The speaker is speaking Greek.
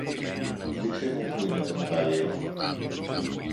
Δείξε μου που είναι το μεταλλείο